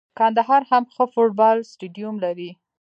کندهار هم ښه فوټبال سټیډیم لري.